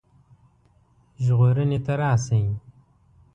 ژغورني ته راشي.